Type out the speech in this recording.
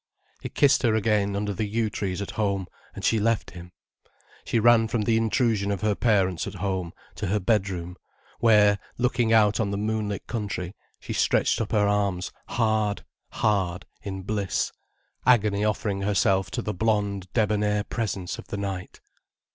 He kissed her again, under the yew trees at home, and she left him. She ran from the intrusion of her parents at home, to her bedroom, where, looking out on the moonlit country, she stretched up her arms, hard, hard, in bliss, agony offering herself to the blond, debonair presence of the night.